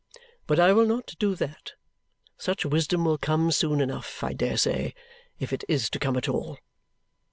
But I will not do that. Such wisdom will come soon enough, I dare say, if it is to come at all.